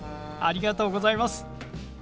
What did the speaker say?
ありがとうございます。